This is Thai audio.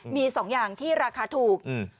มี๒อย่างที่ราคาถูก